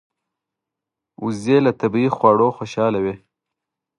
وزې له طبیعي خواړو خوشاله وي